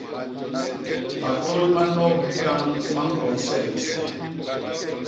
Matôy ma nop hikañ ma ñkwo nsene nsene.